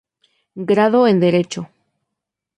Grado en Derecho.